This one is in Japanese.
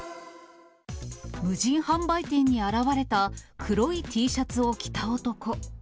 無人販売店に現れた黒いＴシャツを着た男。